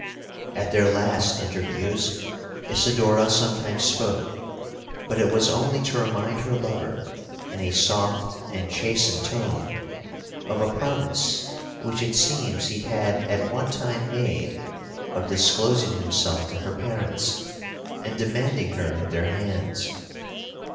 'At their last interviews, Isidora sometimes spoke,—but it was only to remind her lover, in a soft and chastened tone, of a promise which it seems he had at one time made of disclosing himself to her parents, and demanding her at their hands.